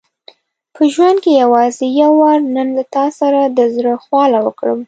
په ژوند کې یوازې یو وار نن له تا سره د زړه خواله وکړم.